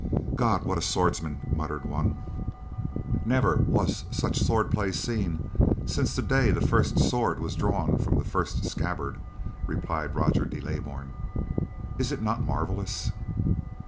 "God, what a swordsman!" muttered one. "Never was such swordplay seen since the day the first sword was drawn from the first scabbard!" replied Roger de Leybourn. "Is it not marvellous!"